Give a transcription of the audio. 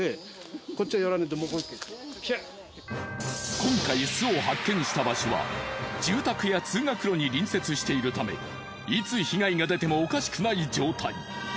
今回巣を発見した場所は住宅や通学路に隣接しているためいつ被害が出てもおかしくない状態。